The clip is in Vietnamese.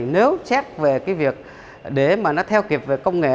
nếu chép về việc để nó theo kịp công nghệ